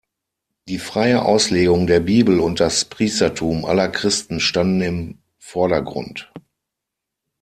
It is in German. Die freie Auslegung der Bibel und das Priestertum aller Christen standen im Vordergrund.